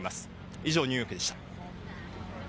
以上、ニューヨークでした。